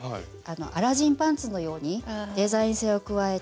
アラジンパンツのようにデザイン性を加えて。